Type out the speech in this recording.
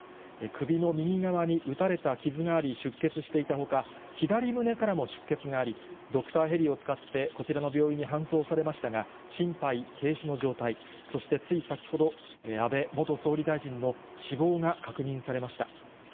首の右側に撃たれた傷があり、出血していたほか、左胸からも出血があり、ドクターヘリを使ってこちらの病院に搬送されましたが、心肺停止の状態、そしてつい先ほど、安倍元総理大臣の死亡が確認されました。